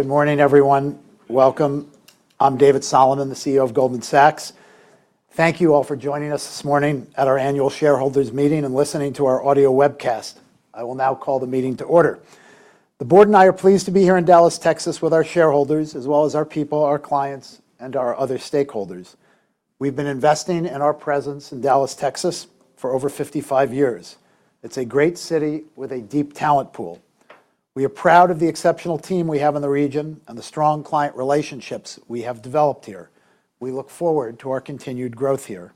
Good morning, everyone. Welcome. I'm David Solomon, the CEO of Goldman Sachs. Thank you all for joining us this morning at our annual shareholders' meeting and listening to our audio webcast. I will now call the meeting to order. The Board and I are pleased to be here in Dallas, Texas, with our shareholders, as well as our people, our clients, and our other stakeholders. We've been investing in our presence in Dallas, Texas, for over 55 years. It's a great city with a deep talent pool. We are proud of the exceptional team we have in the region and the strong client relationships we have developed here. We look forward to our continued growth here.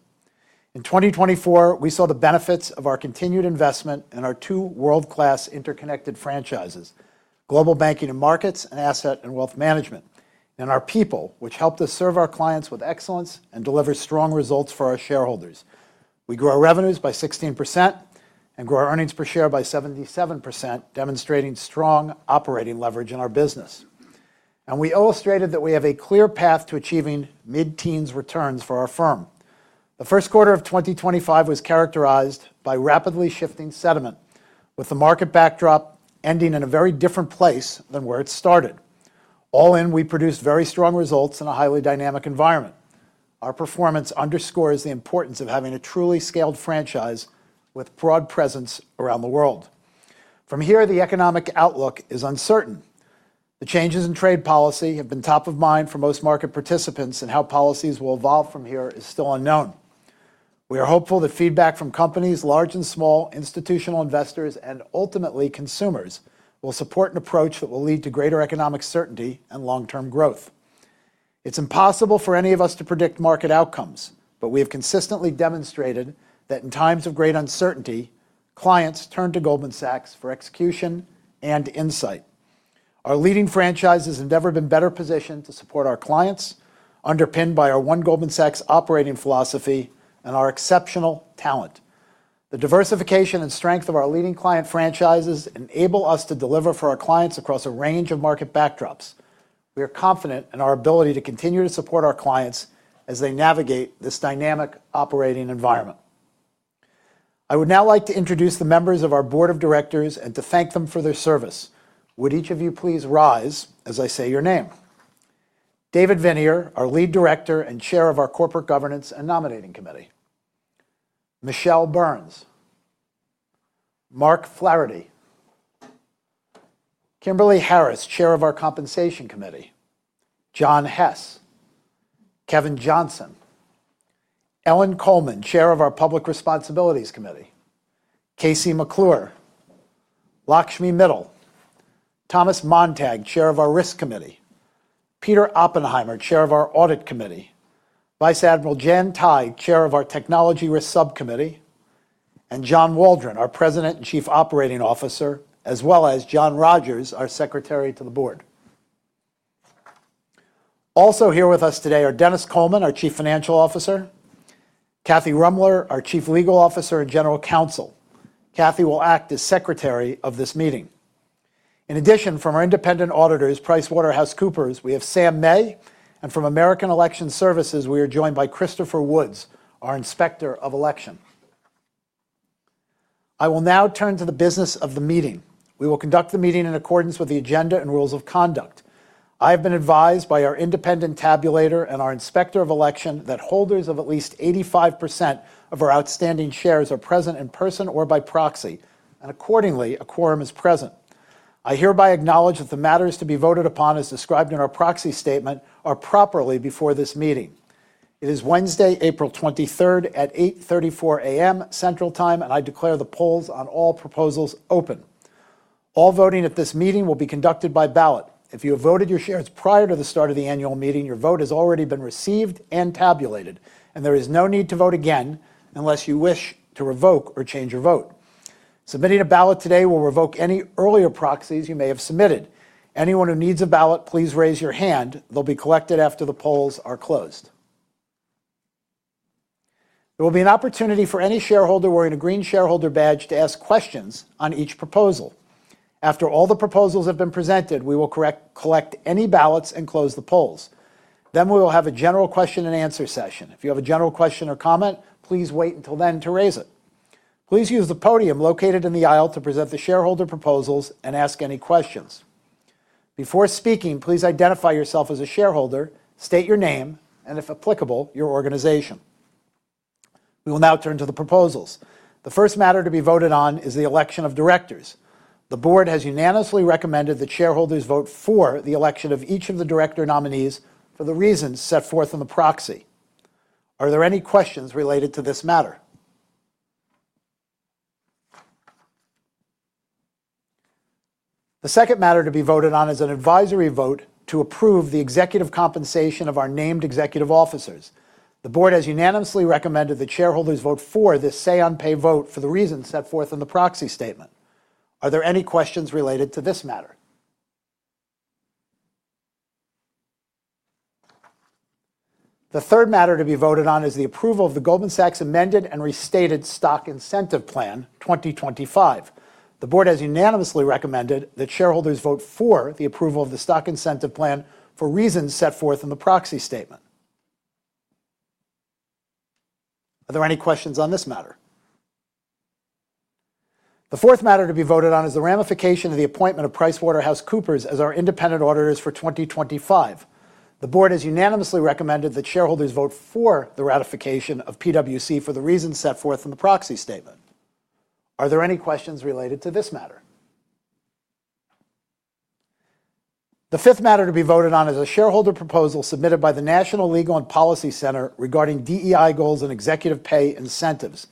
In 2024, we saw the benefits of our continued investment in our two world-class interconnected franchises: Global Banking and Markets and Asset and Wealth Management, and our people, which helped us serve our clients with excellence and deliver strong results for our shareholders. We grew our revenues by 16% and grew our earnings per share by 77%, demonstrating strong operating leverage in our business. We illustrated that we have a clear path to achieving mid-teens returns for our firm. The first quarter of 2025 was characterized by rapidly shifting sentiment, with the market backdrop ending in a very different place than where it started. All in, we produced very strong results in a highly dynamic environment. Our performance underscores the importance of having a truly scaled franchise with broad presence around the world. From here, the economic outlook is uncertain. The changes in trade policy have been top of mind for most market participants, and how policies will evolve from here is still unknown. We are hopeful that feedback from companies large and small, institutional investors, and ultimately consumers will support an approach that will lead to greater economic certainty and long-term growth. It's impossible for any of us to predict market outcomes, but we have consistently demonstrated that in times of great uncertainty, clients turn to Goldman Sachs for execution and insight. Our leading franchises have never been better positioned to support our clients, underpinned by our One Goldman Sachs operating philosophy and our exceptional talent. The diversification and strength of our leading client franchises enable us to deliver for our clients across a range of market backdrops. We are confident in our ability to continue to support our clients as they navigate this dynamic operating environment. I would now like to introduce the members of our Board of Directors and to thank them for their service. Would each of you please rise as I say your name? David Viniar, our lead director and chair of our Corporate Governance and Nominating Committee. Michelle Burns. Mark Flaherty. Kimberly Harris, chair of our Compensation Committee. John Hess. Kevin Johnson. Ellen J. Kullman, chair of our Public Responsibilities Committee. Casey McClyne. Lakshmi Mittal. Thomas Montag, chair of our Risk Committee. Peter Oppenheimer, chair of our Audit Committee. Vice Admiral Jan Tighe, chair of our Technology Risk Subcommittee. John Waldron, our President and Chief Operating Officer, as well as John Rogers, our Secretary to the Board. Also here with us today are Dennis Coleman, our Chief Financial Officer. Kathy Rummler, our Chief Legal Officer and General Counsel. Kathy will act as secretary of this meeting. In addition, from our independent auditors, PricewaterhouseCoopers, we have Sam May. From American Election Services, we are joined by Christopher Woods, our Inspector of Election. I will now turn to the business of the meeting. We will conduct the meeting in accordance with the agenda and rules of conduct. I have been advised by our independent tabulator and our Inspector of Election that holders of at least 85% of our outstanding shares are present in person or by proxy, and accordingly, a quorum is present. I hereby acknowledge that the matters to be voted upon, as described in our proxy statement, are properly before this meeting. It is Wednesday, April 23rd, at 8:34 A.M. Central Time, and I declare the polls on all proposals open. All voting at this meeting will be conducted by ballot. If you have voted your shares prior to the start of the annual meeting, your vote has already been received and tabulated, and there is no need to vote again unless you wish to revoke or change your vote. Submitting a ballot today will revoke any earlier proxies you may have submitted. Anyone who needs a ballot, please raise your hand. They'll be collected after the polls are closed. There will be an opportunity for any shareholder wearing a green shareholder badge to ask questions on each proposal. After all the proposals have been presented, we will collect any ballots and close the polls. Then we will have a general question and answer session. If you have a general question or comment, please wait until then to raise it. Please use the podium located in the aisle to present the shareholder proposals and ask any questions. Before speaking, please identify yourself as a shareholder, state your name, and if applicable, your organization. We will now turn to the proposals. The first matter to be voted on is the election of directors. The Board has unanimously recommended that shareholders vote for the election of each of the director nominees for the reasons set forth in the proxy. Are there any questions related to this matter? The second matter to be voted on is an advisory vote to approve the executive compensation of our named executive officers. The Board has unanimously recommended that shareholders vote for this say-on-pay vote for the reasons set forth in the proxy statement. Are there any questions related to this matter? The third matter to be voted on is the approval of the Goldman Sachs Amended and Restated Stock Incentive Plan 2025. The Board has unanimously recommended that shareholders vote for the approval of the Stock Incentive Plan for reasons set forth in the proxy statement. Are there any questions on this matter? The fourth matter to be voted on is the ratification of the appointment of PricewaterhouseCoopers as our independent auditors for 2025. The Board has unanimously recommended that shareholders vote for the ratification of PwC for the reasons set forth in the proxy statement. Are there any questions related to this matter? The fifth matter to be voted on is a shareholder proposal submitted by the National Legal and Policy Center regarding DEI goals and executive pay incentives.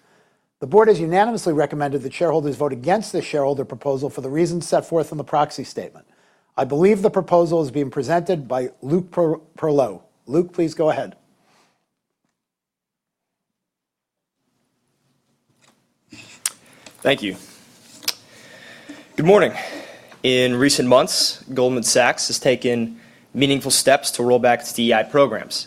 The Board has unanimously recommended that shareholders vote against the shareholder proposal for the reasons set forth in the proxy statement. I believe the proposal is being presented by Luke Perlot. Luke, please go ahead. Thank you. Good morning. In recent months, Goldman Sachs has taken meaningful steps to roll back its DEI programs,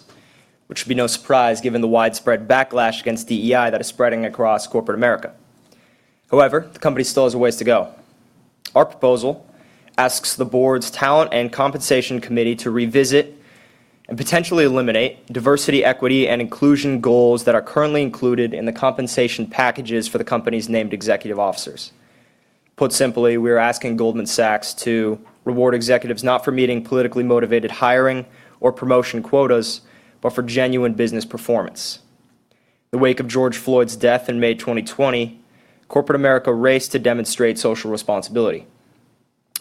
which would be no surprise given the widespread backlash against DEI that is spreading across corporate America. However, the company still has a ways to go. Our proposal asks the Board's Talent and Compensation Committee to revisit and potentially eliminate diversity, equity, and inclusion goals that are currently included in the compensation packages for the company's named executive officers. Put simply, we are asking Goldman Sachs to reward executives not for meeting politically motivated hiring or promotion quotas, but for genuine business performance. In the wake of George Floyd's death in May 2020, corporate America raced to demonstrate social responsibility.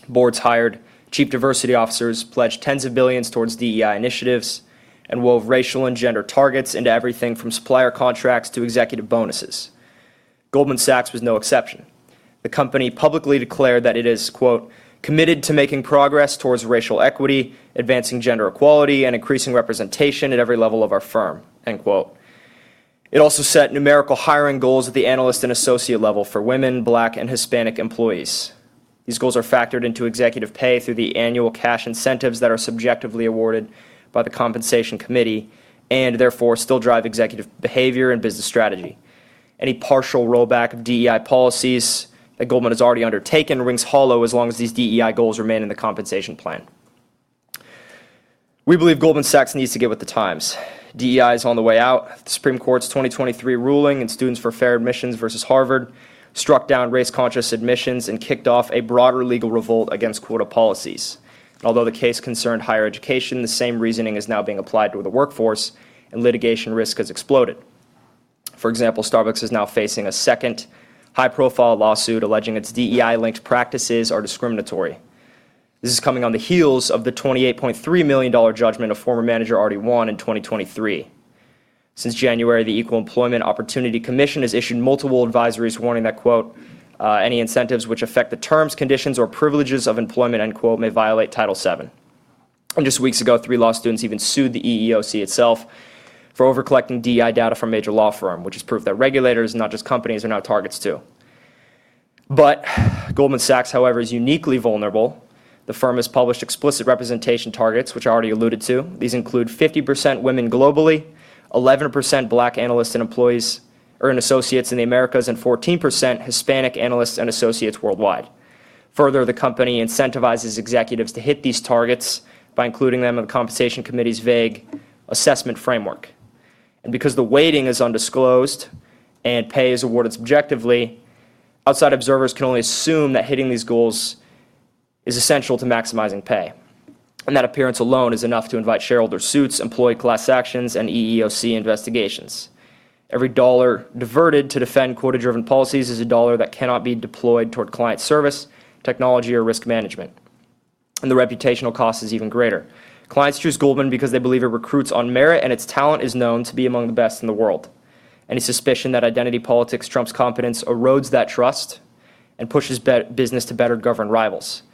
Boards hired chief diversity officers, pledged tens of billions towards DEI initiatives, and wove racial and gender targets into everything from supplier contracts to executive bonuses. Goldman Sachs was no exception. The company publicly declared that it is, quote, "committed to making progress towards racial equity, advancing gender equality, and increasing representation at every level of our firm," end quote. It also set numerical hiring goals at the analyst and associate level for women, Black, and Hispanic employees. These goals are factored into executive pay through the annual cash incentives that are subjectively awarded by the Compensation Committee and therefore still drive executive behavior and business strategy. Any partial rollback of DEI policies that Goldman has already undertaken rings hollow as long as these DEI goals remain in the compensation plan. We believe Goldman Sachs needs to get with the times. DEI is on the way out. The Supreme Court's 2023 ruling in Students for Fair Admissions v. Harvard struck down race-conscious admissions and kicked off a broader legal revolt against quota policies. Although the case concerned higher education, the same reasoning is now being applied to the workforce, and litigation risk has exploded. For example, Starbucks is now facing a second high-profile lawsuit alleging its DEI-linked practices are discriminatory. This is coming on the heels of the $28.3 million judgment of former manager Artie Wong in 2023. Since January, the Equal Employment Opportunity Commission has issued multiple advisories warning that, quote, "any incentives which affect the terms, conditions, or privileges of employment," end quote, "may violate Title VII." Just weeks ago, three law students even sued the EEOC itself for over-collecting DEI data from a major law firm, which has proved that regulators, not just companies, are now targets too. However, Goldman Sachs is uniquely vulnerable. The firm has published explicit representation targets, which I already alluded to. These include 50% women globally, 11% Black analysts and employees and associates in the Americas, and 14% Hispanic analysts and associates worldwide. Further, the company incentivizes executives to hit these targets by including them in the Compensation Committee's vague assessment framework. Because the weighting is undisclosed and pay is awarded subjectively, outside observers can only assume that hitting these goals is essential to maximizing pay. That appearance alone is enough to invite shareholder suits, employee class actions, and EEOC investigations. Every dollar diverted to defend quota-driven policies is a dollar that cannot be deployed toward client service, technology, or risk management. The reputational cost is even greater. Clients choose Goldman because they believe it recruits on merit and its talent is known to be among the best in the world. Any suspicion that identity politics trumps confidence erodes that trust and pushes business to better govern rivals.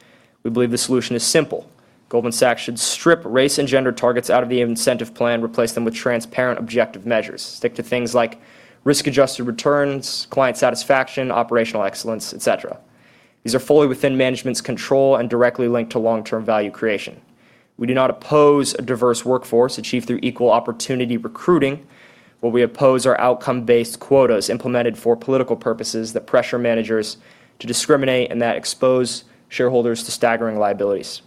We believe the solution is simple. Goldman Sachs should strip race and gender targets out of the incentive plan, replace them with transparent objective measures. Stick to things like risk-adjusted returns, client satisfaction, operational excellence, etc. These are fully within management's control and directly linked to long-term value creation. We do not oppose a diverse workforce achieved through equal opportunity recruiting, but we oppose outcome-based quotas implemented for political purposes that pressure managers to discriminate and that expose shareholders to staggering liabilities.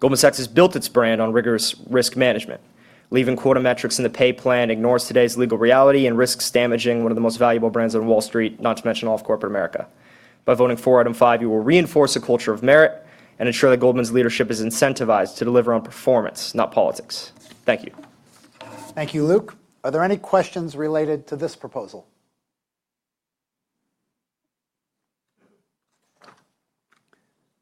Goldman Sachs has built its brand on rigorous risk management. Leaving quota metrics in the pay plan ignores today's legal reality and risks damaging one of the most valuable brands on Wall Street, not to mention all of corporate America. By voting for item five, you will reinforce a culture of merit and ensure that Goldman's leadership is incentivized to deliver on performance, not politics. Thank you. Thank you, Luke. Are there any questions related to this proposal?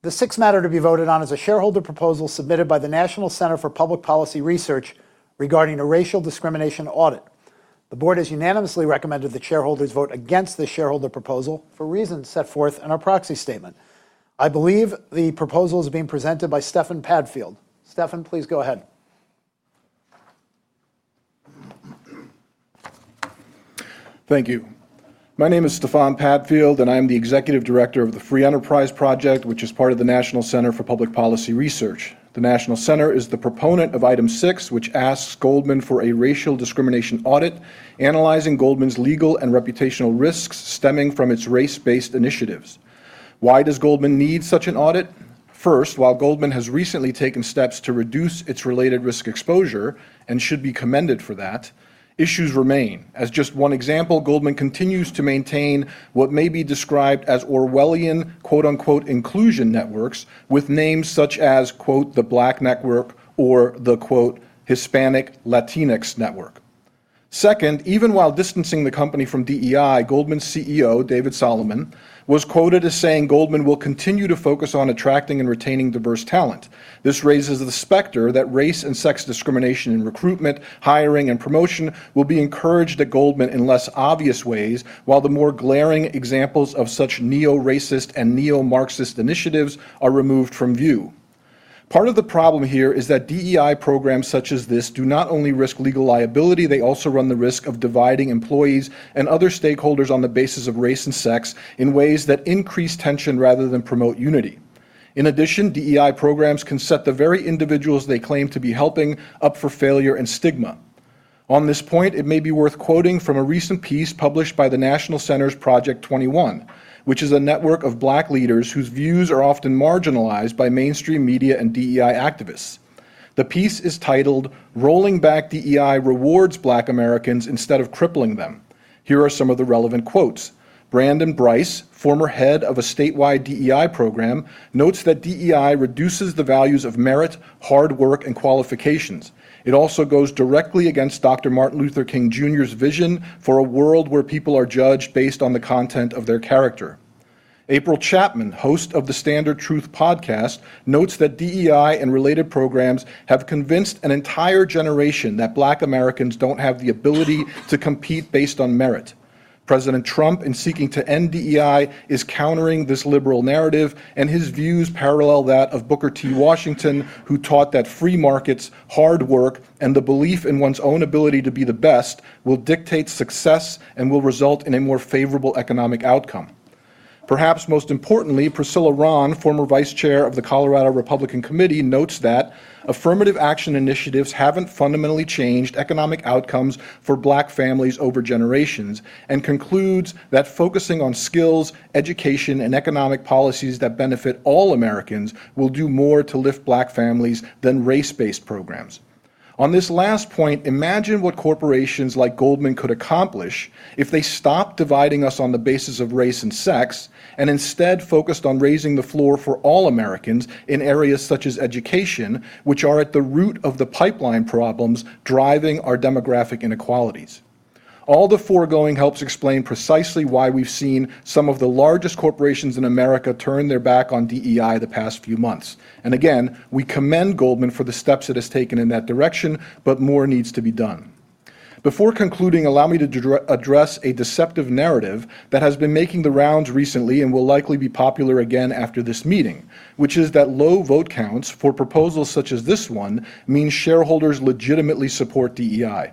The sixth matter to be voted on is a shareholder proposal submitted by the National Center for Public Policy Research regarding a racial discrimination audit. The Board has unanimously recommended that shareholders vote against the shareholder proposal for reasons set forth in our proxy statement. I believe the proposal is being presented by Stefan Padfield. Stefan, please go ahead. Thank you. My name is Stefan Padfield, and I'm the Executive Director of the Free Enterprise Project, which is part of the National Center for Public Policy Research. The National Center is the proponent of item six, which asks Goldman for a racial discrimination audit analyzing Goldman's legal and reputational risks stemming from its race-based initiatives. Why does Goldman need such an audit? First, while Goldman has recently taken steps to reduce its related risk exposure and should be commended for that, issues remain. As just one example, Goldman continues to maintain what may be described as Orwellian "Inclusion Networks" with names such as, quote, "the Black Network" or the, quote, "Hispanic Latinx Network." Second, even while distancing the company from DEI, Goldman's CEO, David Solomon, was quoted as saying, "Goldman will continue to focus on attracting and retaining diverse talent." This raises the specter that race and sex discrimination in recruitment, hiring, and promotion will be encouraged at Goldman in less obvious ways, while the more glaring examples of such neo-racist and neo-marxist initiatives are removed from view. Part of the problem here is that DEI programs such as this do not only risk legal liability, they also run the risk of dividing employees and other stakeholders on the basis of race and sex in ways that increase tension rather than promote unity. In addition, DEI programs can set the very individuals they claim to be helping up for failure and stigma. On this point, it may be worth quoting from a recent piece published by the National Center's Project 21, which is a network of Black leaders whose views are often marginalized by mainstream media and DEI activists. The piece is titled, "Rolling Back DEI Rewards Black Americans Instead of Crippling Them." Here are some of the relevant quotes. Brandon Bryce, former head of a statewide DEI program, notes that DEI reduces the values of merit, hard work, and qualifications. It also goes directly against Dr. Martin Luther King Jr.'s vision for a world where people are judged based on the content of their character. April Chapman, host of the Standard Truth Podcast, notes that DEI and related programs have convinced an entire generation that Black Americans don't have the ability to compete based on merit. President Trump, in seeking to end DEI, is countering this liberal narrative, and his views parallel that of Booker T. Washington, who taught that free markets, hard work, and the belief in one's own ability to be the best will dictate success and will result in a more favorable economic outcome. Perhaps most importantly, Priscilla Ron, former vice chair of the Colorado Republican Committee, notes that affirmative action initiatives haven't fundamentally changed economic outcomes for Black families over generations and concludes that focusing on skills, education, and economic policies that benefit all Americans will do more to lift Black families than race-based programs. On this last point, imagine what corporations like Goldman could accomplish if they stopped dividing us on the basis of race and sex and instead focused on raising the floor for all Americans in areas such as education, which are at the root of the pipeline problems driving our demographic inequalities. All the foregoing helps explain precisely why we've seen some of the largest corporations in America turn their back on DEI the past few months. We commend Goldman for the steps it has taken in that direction, but more needs to be done. Before concluding, allow me to address a deceptive narrative that has been making the rounds recently and will likely be popular again after this meeting, which is that low vote counts for proposals such as this one mean shareholders legitimately support DEI.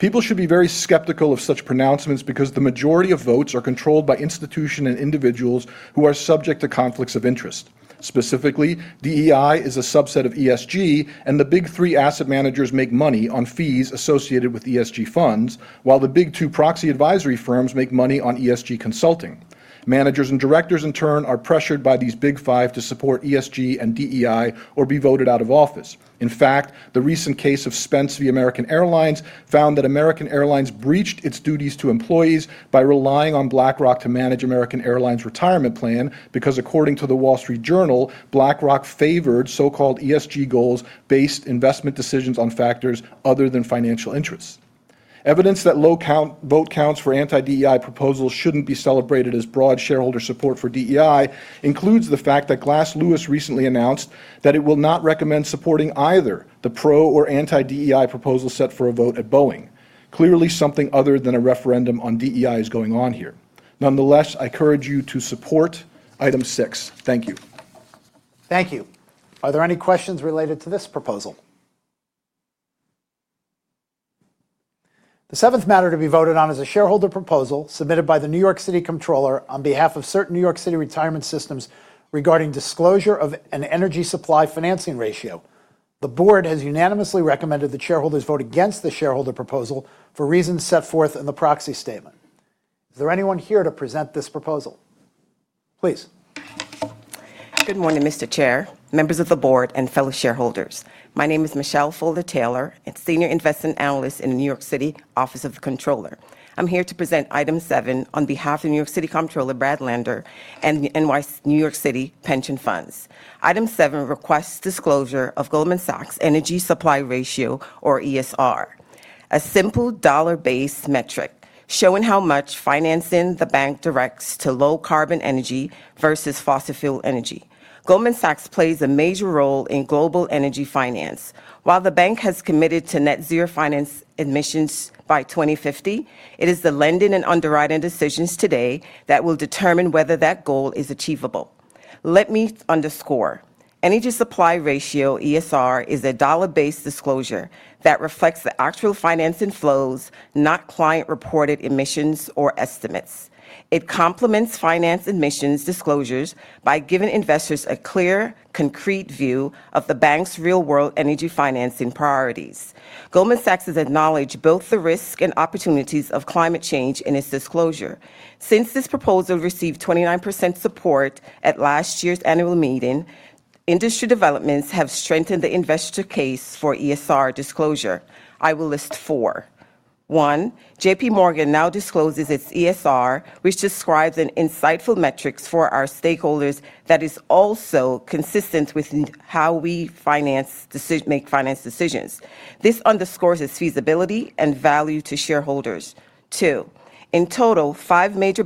People should be very skeptical of such pronouncements because the majority of votes are controlled by institutions and individuals who are subject to conflicts of interest. Specifically, DEI is a subset of ESG, and the Big Three asset managers make money on fees associated with ESG funds, while the Big Two proxy advisory firms make money on ESG consulting. Managers and directors, in turn, are pressured by these Big Five to support ESG and DEI or be voted out of office. In fact, the recent case of Spence v. American Airlines found that American Airlines breached its duties to employees by relying on BlackRock to manage American Airlines' retirement plan because, according to the Wall Street Journal, BlackRock favored so-called ESG goals-based investment decisions on factors other than financial interests. Evidence that low vote counts for anti-DEI proposals shouldn't be celebrated as broad shareholder support for DEI includes the fact that Glass Lewis recently announced that it will not recommend supporting either the pro or anti-DEI proposal set for a vote at Boeing. Clearly, something other than a referendum on DEI is going on here. Nonetheless, I encourage you to support item six. Thank you. Thank you. Are there any questions related to this proposal? The seventh matter to be voted on is a shareholder proposal submitted by the New York City Comptroller on behalf of certain New York City retirement systems regarding disclosure of an energy supply financing ratio. The Board has unanimously recommended that shareholders vote against the shareholder proposal for reasons set forth in the proxy statement. Is there anyone here to present this proposal? Please. Good morning, Mr. Chair, members of the Board, and fellow shareholders. My name is Michelle Edkins, and Senior Investment Analyst in the New York City Office of the Comptroller. I'm here to present item seven on behalf of New York City Comptroller Brad Lander and NYC New York City Pension Funds. Item seven requests disclosure of Goldman Sachs' energy supply ratio, or ESR, a simple dollar-based metric showing how much financing the bank directs to low-carbon energy versus fossil fuel energy. Goldman Sachs plays a major role in global energy finance. While the bank has committed to net-zero finance emissions by 2050, it is the lending and underwriting decisions today that will determine whether that goal is achievable. Let me underscore. Energy supply ratio, ESR, is a dollar-based disclosure that reflects the actual financing flows, not client-reported emissions or estimates. It complements finance admissions disclosures by giving investors a clear, concrete view of the bank's real-world energy financing priorities. Goldman Sachs has acknowledged both the risks and opportunities of climate change in its disclosure. Since this proposal received 29% support at last year's annual meeting, industry developments have strengthened the investor case for ESR disclosure. I will list four. One, JPMorgan now discloses its ESR, which describes an insightful metric for our stakeholders that is also consistent with how we finance decisions make finance decisions. This underscores its feasibility and value to shareholders. Two, in total, five major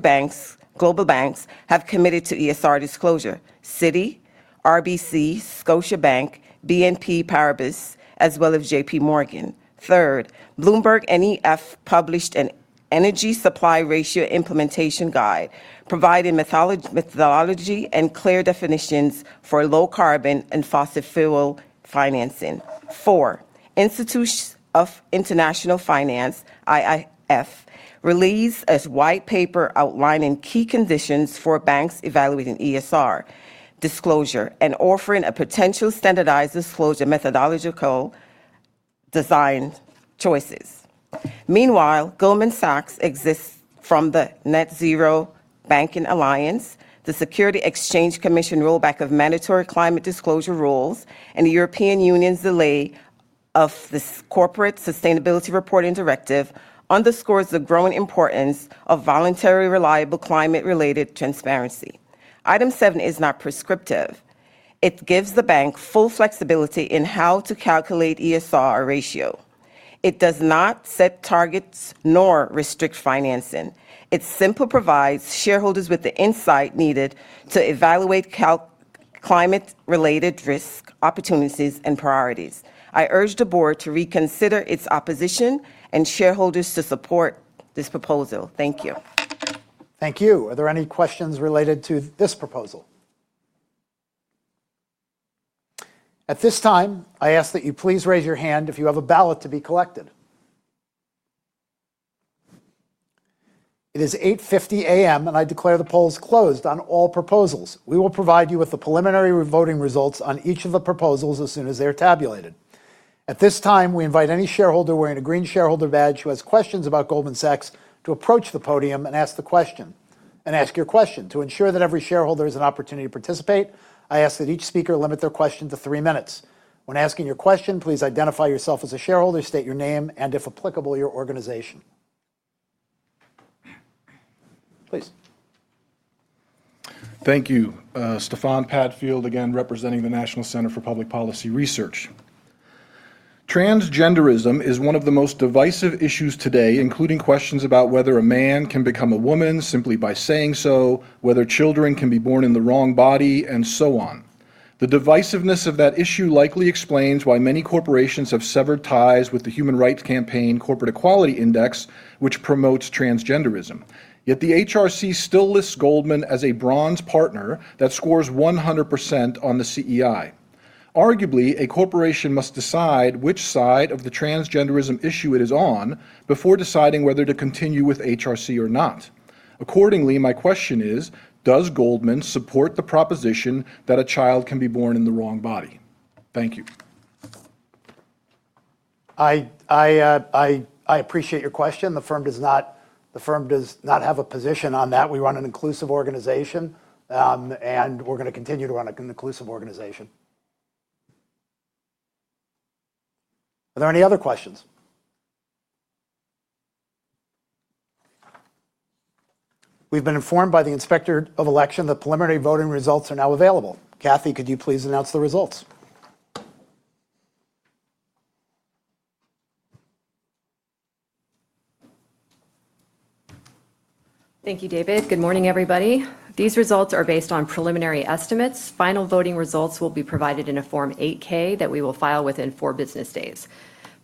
global banks have committed to ESR disclosure: Citi, RBC, Scotiabank, BNP Paribas, as well as JPMorgan. Third, Bloomberg and IIF published an energy supply ratio implementation guide, providing methodology and clear definitions for low-carbon and fossil fuel financing. Four, Institute of International Finance, IIF, released a white paper outlining key conditions for banks evaluating ESR disclosure and offering a potential standardized disclosure methodological design choices. Meanwhile, Goldman Sachs exits from the net-zero banking alliance, the Securities and Exchange Commission rollback of mandatory climate disclosure rules, and the European Union's delay of the corporate sustainability reporting directive underscores the growing importance of voluntary, reliable climate-related transparency. Item seven is not prescriptive. It gives the bank full flexibility in how to calculate ESR ratio. It does not set targets nor restrict financing. It simply provides shareholders with the insight needed to evaluate climate-related risk opportunities and priorities. I urge the Board to reconsider its opposition and shareholders to support this proposal. Thank you. Thank you. Are there any questions related to this proposal? At this time, I ask that you please raise your hand if you have a ballot to be collected. It is 8:50 A.M., and I declare the polls closed on all proposals. We will provide you with the preliminary voting results on each of the proposals as soon as they are tabulated. At this time, we invite any shareholder wearing a green shareholder badge who has questions about Goldman Sachs to approach the podium and ask your question. To ensure that every shareholder has an opportunity to participate, I ask that each speaker limit their question to three minutes. When asking your question, please identify yourself as a shareholder, state your name, and if applicable, your organization. Please. Thank you. Stefan Padfield, again, representing the National Center for Public Policy Research. Transgenderism is one of the most divisive issues today, including questions about whether a man can become a woman simply by saying so, whether children can be born in the wrong body, and so on. The divisiveness of that issue likely explains why many corporations have severed ties with the Human Rights Campaign, Corporate Equality Index, which promotes transgenderism. Yet the HRC still lists Goldman as a bronze partner that scores 100% on the CEI. Arguably, a corporation must decide which side of the transgenderism issue it is on before deciding whether to continue with HRC or not. Accordingly, my question is, does Goldman support the proposition that a child can be born in the wrong body? Thank you. I appreciate your question. The firm does not have a position on that. We run an inclusive organization, and we're going to continue to run an inclusive organization. Are there any other questions? We've been informed by the inspector of election that preliminary voting results are now available. Kathy, could you please announce the results? Thank you, David. Good morning, everybody. These results are based on preliminary estimates. Final voting results will be provided in a Form 8K that we will file within four business days.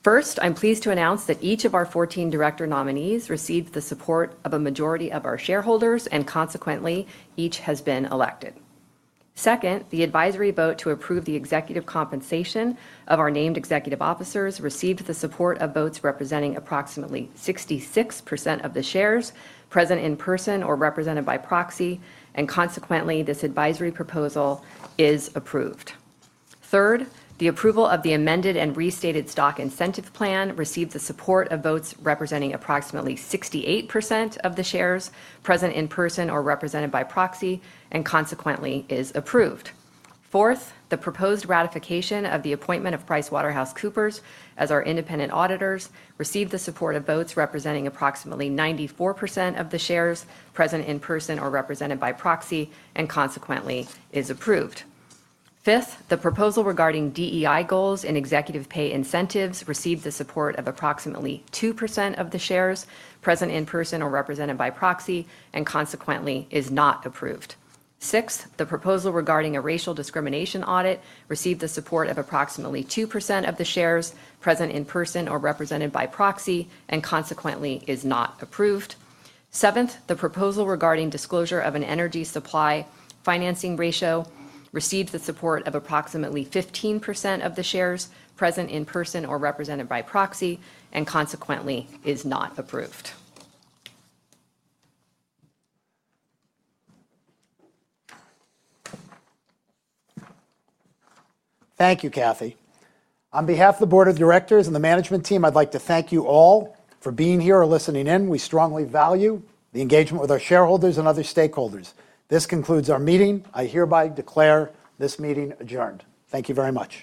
First, I'm pleased to announce that each of our 14 director nominees received the support of a majority of our shareholders, and consequently, each has been elected. Second, the advisory vote to approve the executive compensation of our named executive officers received the support of votes representing approximately 66% of the shares present in person or represented by proxy, and consequently, this advisory proposal is approved. Third, the approval of the amended and restated stock incentive plan received the support of votes representing approximately 68% of the shares present in person or represented by proxy, and consequently, is approved. Fourth, the proposed ratification of the appointment of PricewaterhouseCoopers as our independent auditors received the support of votes representing approximately 94% of the shares present in person or represented by proxy, and consequently, is approved. Fifth, the proposal regarding DEI goals and executive pay incentives received the support of approximately 2% of the shares present in person or represented by proxy, and consequently, is not approved. Sixth, the proposal regarding a racial discrimination audit received the support of approximately 2% of the shares present in person or represented by proxy, and consequently, is not approved. Seventh, the proposal regarding disclosure of an energy supply financing ratio received the support of approximately 15% of the shares present in person or represented by proxy, and consequently, is not approved. Thank you, Kathy. On behalf of the Board of Directors and the management team, I'd like to thank you all for being here or listening in. We strongly value the engagement with our shareholders and other stakeholders. This concludes our meeting. I hereby declare this meeting adjourned. Thank you very much.